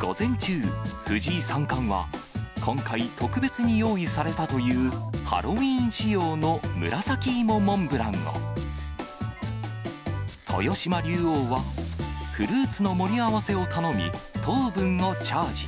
午前中、藤井三冠は、今回、特別に用意されたというハロウィーン仕様の紫芋モンブランを、豊島竜王はフルーツの盛り合わせを頼み、糖分をチャージ。